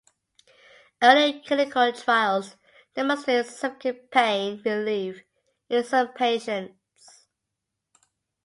Early clinical trials demonstrate significant pain relief in some patients.